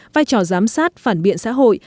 vai trò giám sát phản biện xã hội